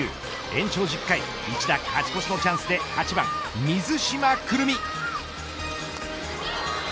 延長１０回一打勝ち越しのチャンスで８番、水島来望。